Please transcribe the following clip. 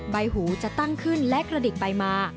ใบหูจะตั้งขึ้นและกระดิกไปมา